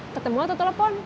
ketemu atau telepon